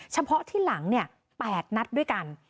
เฉพาะที่หลัง๘นัดด้วยกัน